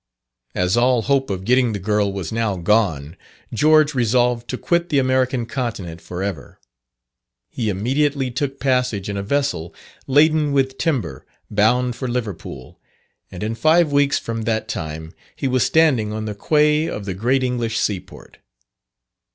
As all hope of getting the girl was now gone, George resolved to quit the American continent for ever. He immediately took passage in a vessel laden with timber, bound for Liverpool, and in five weeks from that time he was standing on the quay of the great English seaport.